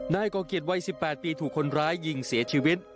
ก่อเกียรติวัย๑๘ปีถูกคนร้ายยิงเสียชีวิต